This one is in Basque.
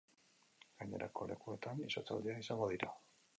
Gainerako lekuetan, izotzaldiak izango dira.